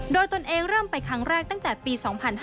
โดยตนเองเริ่มไปครั้งแรกตั้งแต่ปี๒๕๕๙